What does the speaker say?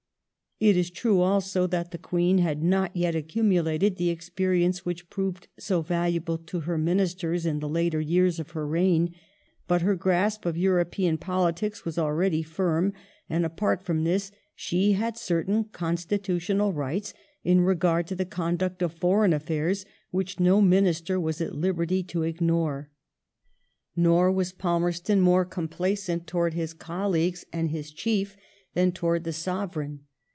It is true also that the Queen had not yet accumulated the experience which proved so valuable to her Ministei s in the later years of her reign ; but her grasp of European politics was already film, and, apart from this, she had certain constitutional rights in regard to the conduct of foreign affairs which no Minister was at liberty to ignore. Nor was Palmerston more complacent towards his colleagues and his Chief than towards the Sovereign.